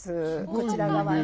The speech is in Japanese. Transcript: こちら側に。